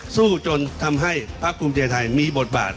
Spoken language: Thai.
สู้จนทำให้ภาคคลุมเจียยไทยมีบทบาท